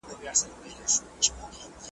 تاسو باید په خپلو کړنو کې صداقت ولرئ.